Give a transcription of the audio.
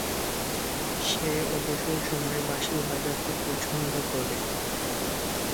সে অবসর সময়ে বাঁশি বাজাতে পছন্দ করে।